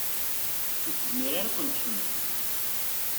Ur tezmir ara ad ken-tḥemmel.